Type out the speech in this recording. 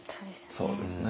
そうですね。